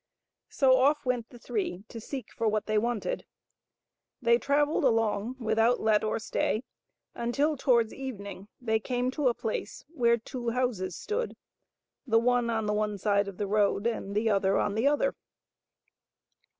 So off went the three to seek for what they wanted. They travelled along without let or stay until towards evening they came to a place where two houses stood, the one on the one side of the road and the other on the other.